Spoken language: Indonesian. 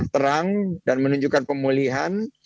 terang dan menunjukkan pemulihan